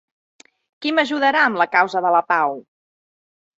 Qui m'ajudarà amb la causa de la pau?